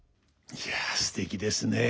いやすてきですね。